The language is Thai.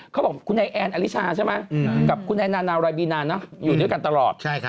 เขาบอกคุณไอแอนอลิชาใช่ไหมกับคุณแอนนานารายบีนาอยู่ด้วยกันตลอด